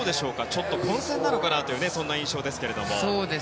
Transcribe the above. ちょっと混戦なのかなという印象ですけれども。